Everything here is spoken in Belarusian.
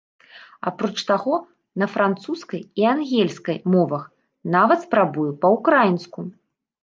Апроч таго, на французскай і ангельскай мовах, нават спрабуе па-ўкраінску.